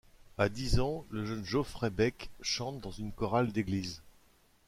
À dix ans, le jeune Geoffrey Beck chante dans une chorale d'église.